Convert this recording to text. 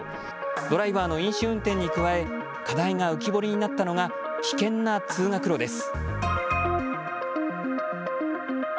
ドライバーの飲酒運転に加え課題が浮き彫りになったのが危険な通学路です。